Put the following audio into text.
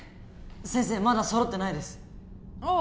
先生まだ揃ってないですああ